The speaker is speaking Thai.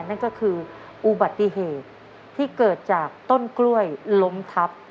นั่นก็คืออุบัติเหตุที่เกิดจากต้นกล้วยล้มทับ